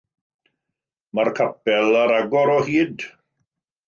Mae'r capel ar agor o hyd.